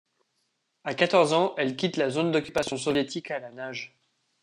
À quatorze ans, elle quitte la Zone d'occupation soviétique à la nage.